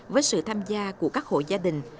với sự tham gia của các hội gia đình